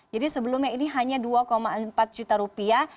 jadi sebelumnya ini hanya rp dua empat juta